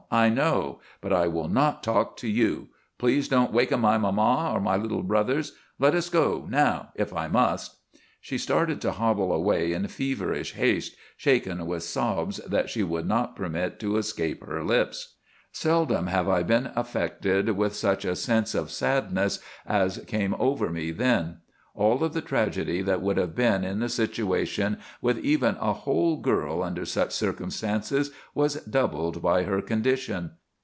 I know! But I will not talk to you! Please don't waken my mamma or my little brothers let us go now if I must." She started to hobble away in feverish haste, shaken with sobs that she would not permit to escape her lips. Seldom have I been affected with such a sense of sadness as came over me then: all of the tragedy that would have been in the situation with even a whole girl under such circumstances was doubled by her condition.